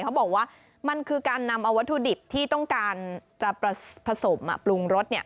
เขาบอกว่ามันคือการนำเอาวัตถุดิบที่ต้องการจะผสมปรุงรส